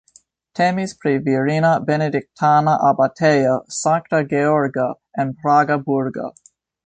Temis pri virina benediktana abatejo Sankta Georgo en Praga burgo.